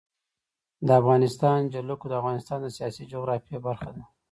د افغانستان جلکو د افغانستان د سیاسي جغرافیه برخه ده.